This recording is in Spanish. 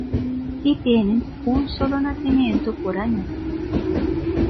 Y tienen un solo nacimiento por año.